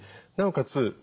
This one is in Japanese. なおかつ